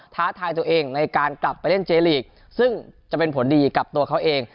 ท้าทายตัวเองในการกลับไปเล่นเจลีกซึ่งจะเป็นผลดีกับตัวเขาเอง